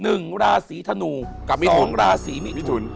หนึ่งราศีธนูกับมิถุนราศีมิถุน